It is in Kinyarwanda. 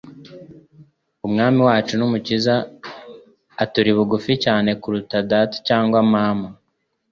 Umwami wacu n'Umukiza aturi bugufi cyane kuruta data cyangwa mama,